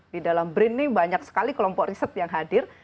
di dalam brin ini banyak sekali kelompok riset yang hadir